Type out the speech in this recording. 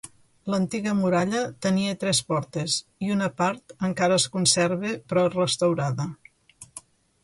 L'antiga muralla tenia tres portes, i una part encara es conserva però restaurada.